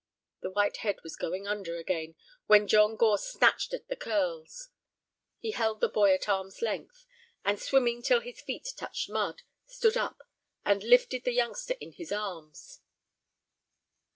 The white head was going under again when John Gore snatched at the curls. He held the boy at arm's length, and, swimming till his feet touched mud, stood up and lifted the youngster in his arms.